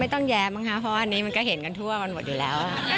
ต้องแย้มั้งค่ะเพราะว่าอันนี้มันก็เห็นกันทั่วมันหมดอยู่แล้ว